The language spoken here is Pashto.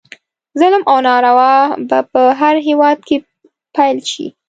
ظلم او ناروا به په هر هیواد کې پیل شي.